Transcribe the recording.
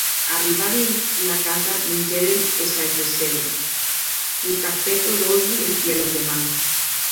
Arribadi ena casa, mingèren e s’ajacèren, totafèt erosi, enquia londeman.